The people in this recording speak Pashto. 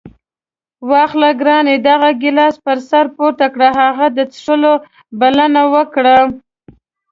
واخله ګرانه دغه ګیلاس پر سر پورته کړه. هغه د څښلو بلنه ورکړه.